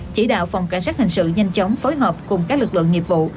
chỉ đạo phòng cảnh sát hình sự nhanh chóng phối hợp cùng các lực lượng nghiệp vụ